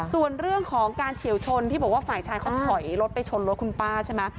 ส่วนเรื่องของการเฉียวชนที่บอกว่าฝ่ายชายเขาถอยรถไปชนรถคุณป้าใช่ไหม